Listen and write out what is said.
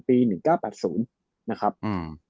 หนึ่งเก้าแปดศูนย์นะครับอืม